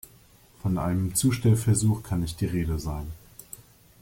Von einem Zustellversuch kann nicht die Rede sein.